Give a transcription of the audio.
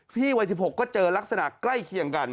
พี่วัยสิบหกเนี่ย